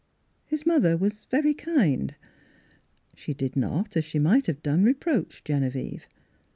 His mother was very kind. She did not, as she might have done, reproach Genevieve.